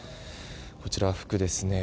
こちら服ですね。